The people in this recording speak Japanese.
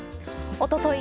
おととい